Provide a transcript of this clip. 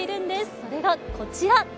それがこちら。